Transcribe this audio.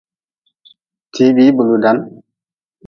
Tibii, bi ludan.